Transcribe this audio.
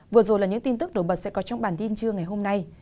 vừa rồi là những tin tức nổi bật sẽ có trong bản tin trưa ngày hôm nay